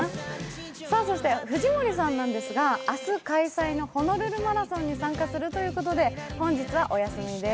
そして、藤森さんなんですが明日開催のホノルルマラソンに参加するということで、本日はお休みです。